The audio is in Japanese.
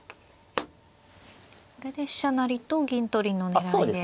これで飛車成りと銀取りの狙いで。